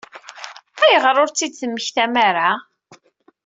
Ayɣer ur tt-id-temmektam ara?